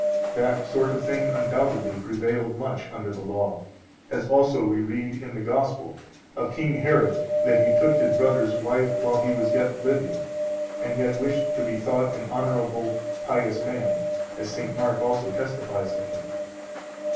That sort of thing undoubtedly prevailed much under the Law, as also we read in the Gospel of King Herod that he took his brother's wife while he was yet living, and yet wished to be thought an honorable, pious man, as St. Mark also testifies of him.